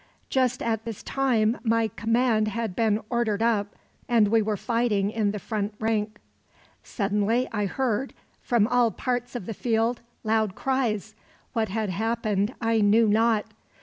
Just at this time my command had been ordered up, and we were fighting in the front rank. "Suddenly I heard, from all parts of the field, loud cries. What had happened I knew not.